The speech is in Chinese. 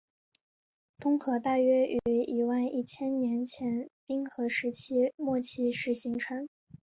东河大约于一万一千年前冰河时期末期时形成。